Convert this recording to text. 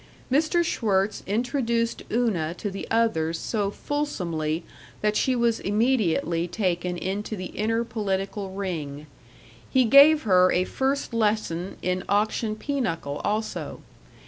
Mr. Schwirtz introduced Una to the others so fulsomely that she was immediately taken into the inner political ring. He gave her a first lesson in auction pinochle also.